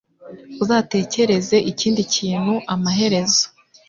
Uzatekereza ikindi kintu amaherezo